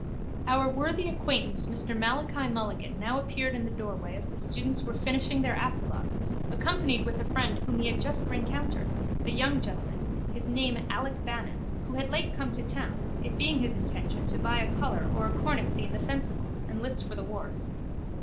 _ Our worthy acquaintance Mr Malachi Mulligan now appeared in the doorway as the students were finishing their apologue accompanied with a friend whom he had just rencountered, a young gentleman, his name Alec Bannon, who had late come to town, it being his intention to buy a colour or a cornetcy in the fencibles and list for the wars.